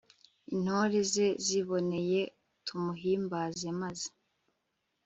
intore ze ziboneye, tumuhimbaze maze